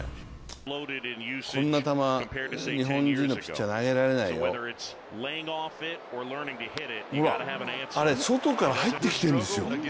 こんな球、日本人のピッチャー投げられないよ、あれ、外から入ってきているんですよ。